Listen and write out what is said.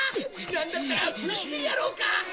なんだったら拭いてやろうか？